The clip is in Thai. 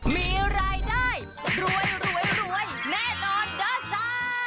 มีรายได้รวยแน่นอนเด้อจ้า